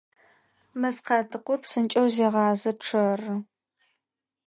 Мэзкъатыхъур псынкӏэу зегъазэ, чъэры.